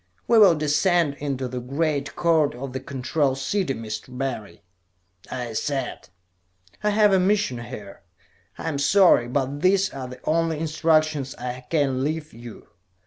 "We will descend into the Great Court of the Control City, Mr. Barry," I said. "I have a mission here. I am sorry, but these are the only instructions I can leave you.